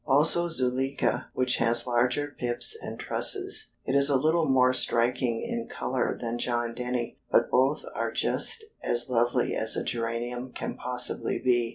Also Zuleika, which has larger pips and trusses. It is a little more striking in color than John Denny, but both are just as lovely as a geranium can possibly be.